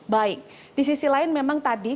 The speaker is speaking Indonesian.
baik di sisi lain memang tadi